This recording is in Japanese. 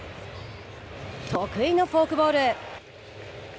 得意のフォークボール。